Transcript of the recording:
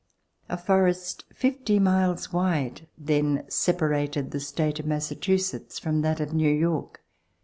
A forest, fifty miles wide, then separated the state of Massachusetts from that of New York.